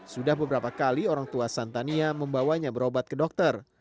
sudah beberapa kali orang tua santania membawanya berobat ke dokter